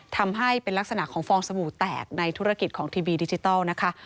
ทำให้เป็นลักษณะของฟองสบู่แตกในธุรกิจของทีวีดิจิทัลนะคะ